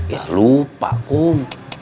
ya lupa kum